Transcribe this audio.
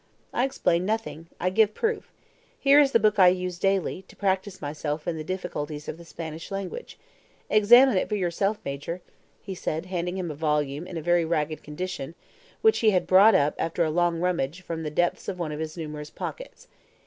"I explain nothing. I give proof. Here is the book I use daily, to practice myself in the difficulties of the Spanish language. Examine it for yourself, Major," he said, handing him a volume in a very ragged condition, which he had brought up, after a long rummage, from the depths of one of his numerous pockets.